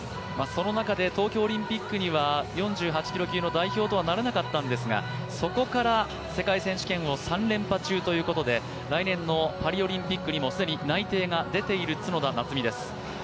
その中で東京オリンピックには４８キロ級の代表とはならなかったんですがそこから世界選手権を３連覇中ということで来年のパリオリンピックにも既に内定が出ている角田夏実です。